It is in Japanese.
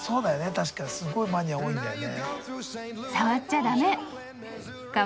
確かすっごいマニア多いんだよね。